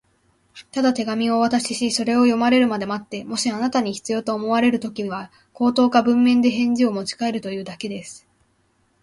「ただ手紙をお渡しし、それを読まれるまで待って、もしあなたに必要と思われるときには、口頭か文面で返事をもちかえるということだけです」